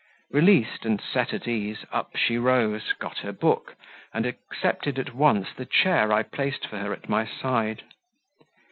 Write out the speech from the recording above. Released, and set at ease, up she rose, got her book, and accepted at once the chair I placed for her at my side.